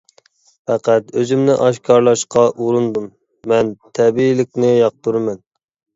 پەقەت ئۆزۈمنى ئاشكارىلاشقا ئۇرۇندۇم، مەن تەبىئىيلىكنى ياقتۇرىمەن.